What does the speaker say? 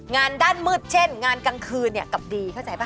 งานด้านมืดเช่นงานกลางคืนกลับดีเข้าใจป่